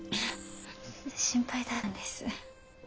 心配だったんです。